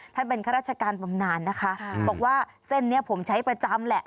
ท่านเป็นข้าราชการบำนานนะคะบอกว่าเส้นนี้ผมใช้ประจำแหละ